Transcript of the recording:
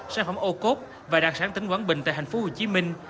sản phẩm ô cốt và đặc sản tỉnh quảng bình tại thành phố hồ chí minh